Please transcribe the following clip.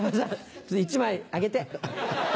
ちょっと１枚あげて。